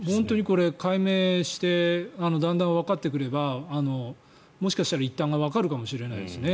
これ、解明してだんだんわかってくればもしかしたら、一端がわかるかもしれないですね。